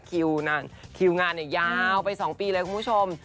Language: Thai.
คลิวนั้นคึคงานนั้นยาวไว้สองปีเลยเขาชม